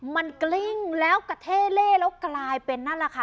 มันกลิ้งแล้วกระเท่เล่แล้วกลายเป็นนั่นแหละค่ะ